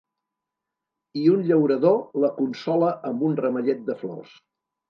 I un llaurador la consola amb un ramellet de flors.